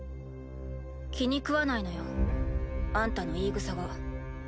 気にくわないのよあんたの言いぐさが。